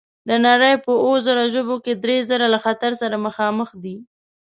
د نړۍ په اووه زره ژبو کې درې زره له خطر سره مخامخ دي.